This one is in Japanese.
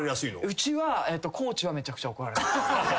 うちは地はめちゃくちゃ怒られます。